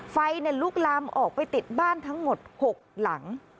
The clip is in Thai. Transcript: ไฟลุกลามออกไปติดบ้านทั้งหมด๖หลัง